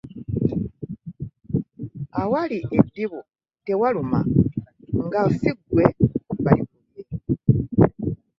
Awali eddibu tewaluma ,nga siggwe balikubye .